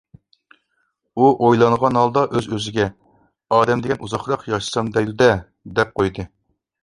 ئۇ ئويلانغان ھالدا ئۆز-ئۆزىگە: «ئادەم دېگەن ئۇزاقراق ياشىسام دەيدۇ-دە» دەپ قويدى.